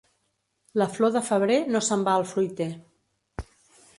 La flor de febrer no se'n va al fruiter.